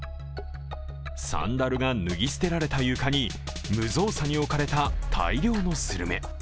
サンダルが脱ぎ捨てられた床に無造作に置かれた、大量のスルメ。